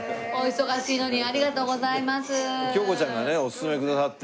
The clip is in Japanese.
恭子ちゃんがねオススメくださって。